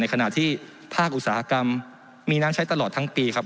ขณะที่ภาคอุตสาหกรรมมีน้ำใช้ตลอดทั้งปีครับ